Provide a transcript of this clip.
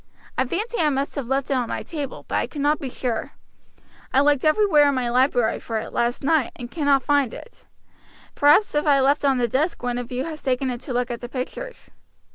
I fancy I must have left it on my table, but I cannot be sure. I looked everywhere in my library for it last night and cannot find it. Perhaps if I left it on the desk one of you has taken it to look at the pictures."